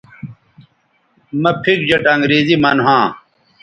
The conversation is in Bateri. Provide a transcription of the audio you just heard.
مہ پِھک جیٹ انگریزی من ھواں